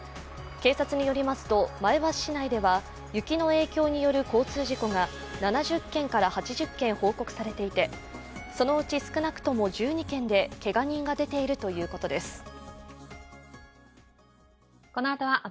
警察によりますと、前橋市内では雪の影響による交通事故が７０件から８０件報告されていてそのうち少なくとも１２件でけが人が出ているということです。